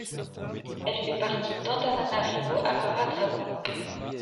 Elle fait partie d'Antananarivo Avaradrano.